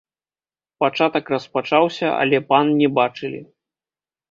Пачатак распачаўся, але пан не бачылі.